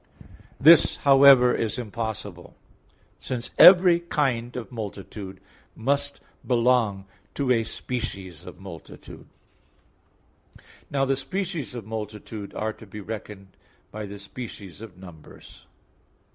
This, however, is impossible; since every kind of multitude must belong to a species of multitude. Now the species of multitude are to be reckoned by the species of numbers.